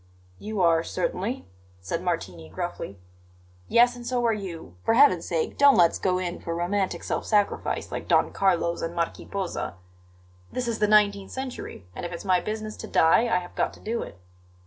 "You are, certainly," said Martini gruffly. "Yes, and so are you. For Heaven's sake, don't let's go in for romantic self sacrifice, like Don Carlos and Marquis Posa. This is the nineteenth century; and if it's my business to die, I have got to do it."